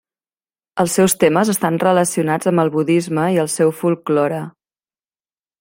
Els seus temes estan relacionats amb el budisme i el seu folklore.